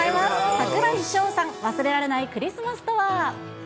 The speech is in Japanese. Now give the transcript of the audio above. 櫻井翔さん、忘れられないクリス